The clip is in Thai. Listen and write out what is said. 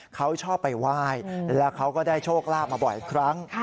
เขาชอบไปไหว้แล้วเขาก็ได้โชคลาภมาบ่อยครั้ง